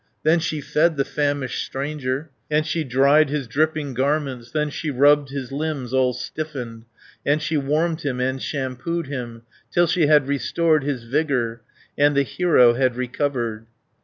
Then she fed the famished stranger, And she dried his dripping garments, Then she rubbed his limbs all stiffened, And she warmed him and shampooed him, Till she had restored his vigour, And the hero had recovered.